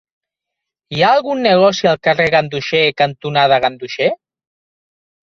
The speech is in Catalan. Hi ha algun negoci al carrer Ganduxer cantonada Ganduxer?